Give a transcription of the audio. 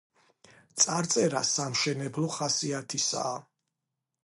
წარწერა სამშენებლო ხასიათისაა.